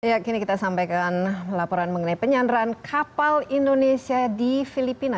ya kini kita sampaikan laporan mengenai penyanderaan kapal indonesia di filipina